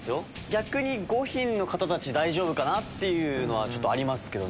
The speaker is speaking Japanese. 逆に５品の方たち大丈夫？っていうのはあります。